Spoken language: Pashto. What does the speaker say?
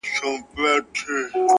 خپل کار په غوره ډول ترسره کړئ